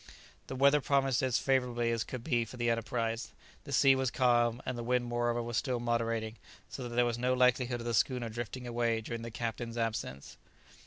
The weather promised as favourably as could be for the enterprise. The sea was calm, and the wind moreover was still moderating, so that there was no likelihood of the schooner drifting away during the captain's absence.